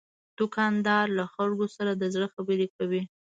دوکاندار له خلکو سره د زړه خبرې کوي.